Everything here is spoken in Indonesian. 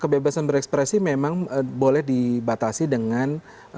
kebebasan berekspresi memang boleh dibatasi dengan